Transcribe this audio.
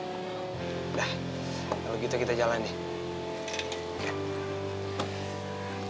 udah kalau gitu kita jalan deh